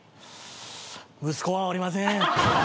息子はおりません。